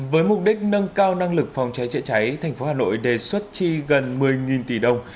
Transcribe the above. với mục đích nâng cao năng lực phòng cháy chữa cháy thành phố hà nội đề xuất chi gần một mươi tỷ đồng